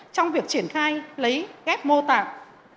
trong việc triển khai lấy khép mô tạng